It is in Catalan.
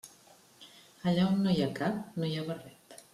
Allà on no hi ha cap no hi ha barret.